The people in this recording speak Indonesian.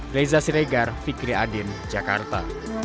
reza siregar fikri adin jakarta